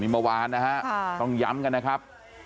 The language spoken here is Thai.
เมื่อวานนะฮะต้องย้ำกันนะครับ